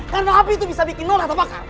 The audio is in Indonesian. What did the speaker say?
karena api itu bisa bikin nolah atau bakar